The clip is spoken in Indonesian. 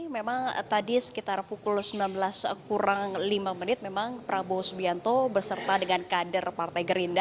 memang tadi sekitar pukul sembilan belas kurang lima menit memang prabowo subianto berserta dengan kader partai gerindra